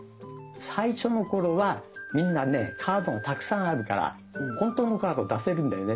最初の頃はみんなねカードがたくさんあるから本当のカード出せるんだよね。